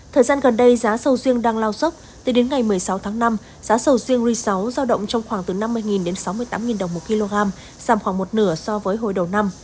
thời gian gần đây giá sầu riêng đang lao dốc tính đến ngày một mươi sáu tháng năm giá sầu riêng ri sáu giao động trong khoảng từ năm mươi đến sáu mươi tám đồng một kg giảm khoảng một nửa so với hồi đầu năm